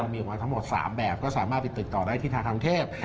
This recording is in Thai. มีออกมาทั้งหมด๓แบบก็สามารถไปติดต่อได้ที่ทางเทพ